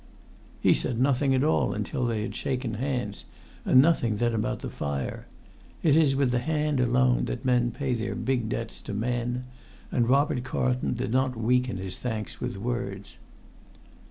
He said nothing at all until they had shaken hands, and nothing then about the fire; it is with the hand alone that men pay their big debts to men, and Robert Carlton did not weaken his thanks with words.